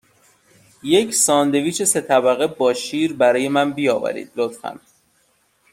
یک ساندویچ سه طبقه با شیر برای من بیاورید، لطفاً.